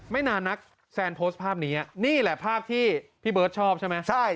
นานนักแซนโพสต์ภาพนี้นี่แหละภาพที่พี่เบิร์ตชอบใช่ไหมใช่